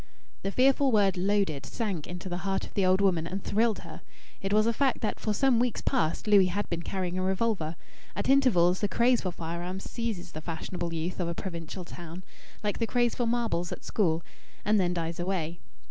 The fearful word "loaded" sank into the heart of the old woman, and thrilled her. It was a fact that for some weeks past Louis had been carrying a revolver. At intervals the craze for firearms seizes the fashionable youth of a provincial town, like the craze for marbles at school, and then dies away.